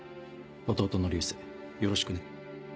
弟の流星よろしくね。